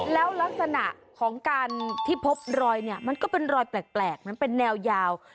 แล้วลักษณะของการที่พบรอยเนี่ยมันก็เป็นรอยแปลกนะเป็นแนวยาว